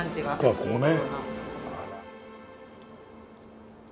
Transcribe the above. ここね。